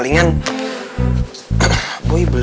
lagian bibi kok aneh banget